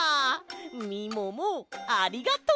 みももありがとう。